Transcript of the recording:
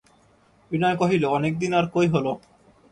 বিনয় কহিল, অনেক দিন আর কই হল?